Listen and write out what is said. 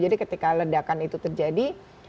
jadi ketika ledakan itu terjadi